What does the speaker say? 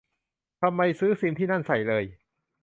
ทำไมซื้อซิมที่นั่นใส่เลย